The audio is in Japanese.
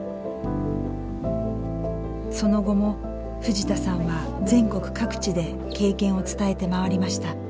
その後も藤田さんは全国各地で経験を伝えて回りました。